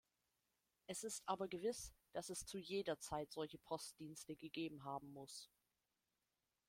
Es ist aber gewiss, dass es zu jeder Zeit solche Postdienste gegeben haben muss.